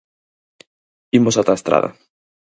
Imos ata a Estrada.